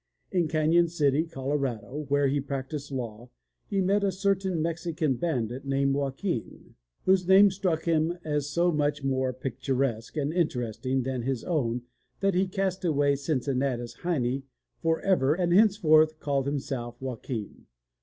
In Canyon City, Colorado, where he practiced law, he met a certain Mexican bandit named Joaquin (Walk in) whose name struck him as so much more picturesque and interesting than his own that he cast away Cin cinnatus Heine forever and henceforth called himself Joaquin.